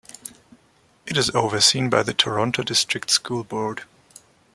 It is overseen by the Toronto District School Board.